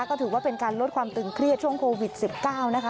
ก็ถือว่าเป็นการลดความตึงเครียดช่วงโควิด๑๙นะคะ